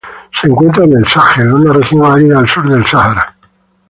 Se encuentra en el Sahel, una región árida al sur del Sahara.